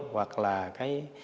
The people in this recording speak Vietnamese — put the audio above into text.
hoặc là cái